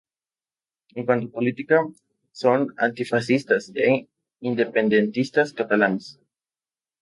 En cuanto a política, son antifascistas e independentistas catalanes.